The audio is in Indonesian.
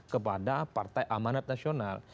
kepada partai amanat nasional